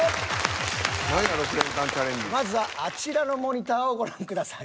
まずはあちらのモニターをご覧ください。